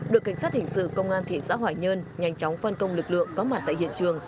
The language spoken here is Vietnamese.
đội cảnh sát hình sự công an thị xã hoài nhơn nhanh chóng phân công lực lượng có mặt tại hiện trường